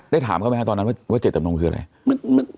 ถามเขาไหมครับตอนนั้นว่าเจตจำนงคืออะไร